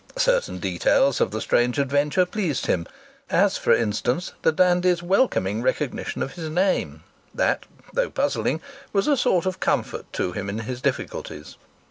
Certain details of the strange adventure pleased him as, for instance, the dandy's welcoming recognition of his name; that, though puzzling, was a source of comfort to him in his difficulties.